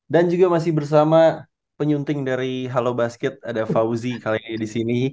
dan juga masih bersama penyunting dari halo basket ada fauzi kali ini disini